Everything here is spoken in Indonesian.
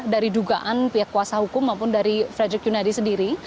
dari dugaan pihak kuasa hukum maupun dari frederick yunadi sendiri